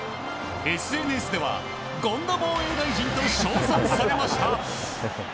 ＳＮＳでは権田防衛大臣と称賛されました。